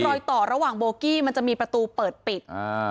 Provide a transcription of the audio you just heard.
รอยต่อระหว่างโบกี้มันจะมีประตูเปิดปิดอ่า